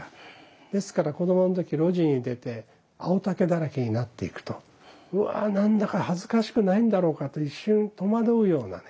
ですから子どもの時露地に出て青竹だらけになっていくと「うわあ何だか恥ずかしくないんだろうか」と一瞬戸惑うようなね